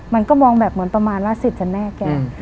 มันก็มองแบบเหมือนประมาณว่าสิทธิ์กันแน่แก